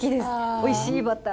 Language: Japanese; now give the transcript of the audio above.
おいしいバター。